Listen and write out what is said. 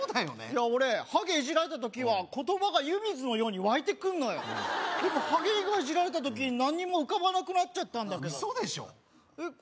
いや俺ハゲイジられた時は言葉が湯水のように湧いてくんのよでもハゲ以外イジられた時何も浮かばなくなっちゃったんだけどウソでしょえっ